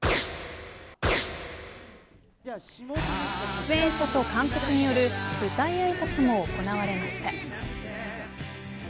出演者と監督による舞台あいさつも行われました。